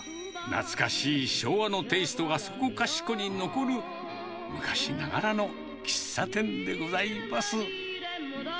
懐かしい昭和のテイストがそこかしこに残る、昔ながらの喫茶店でございます。